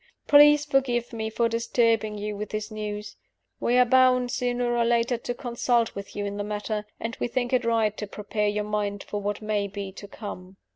Please forgive me for disturbing you with this news. We are bound, sooner or later, to consult with you in the matter; and we think it right to prepare your mind for what may be to come."